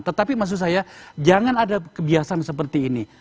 tetapi maksud saya jangan ada kebiasaan seperti ini